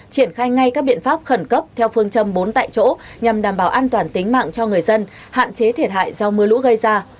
triển khai ngay các biện pháp khẩn cấp theo phương châm bốn tại chỗ nhằm đảm bảo an toàn tính mạng cho người dân hạn chế thiệt hại do mưa lũ gây ra